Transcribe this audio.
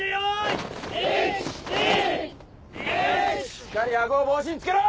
しっかり顎を帽子につけろ！